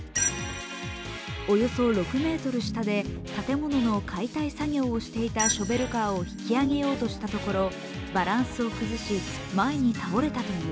およそ６ｍ下で建物の解体作業をしていたショベルカーを引き上げようとしたところバランスを崩し前に倒れたという。